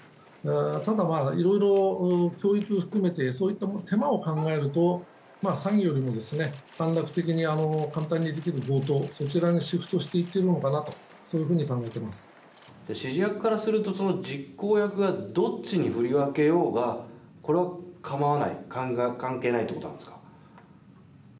ただ、色々教育含めてそういった手間を考えると詐欺よりも短絡的に簡単にできる強盗そちらにシフトしていっているのかなと指示役からすると実行役がどっちに振り分けようがこれは構わない関係ないということなんですか。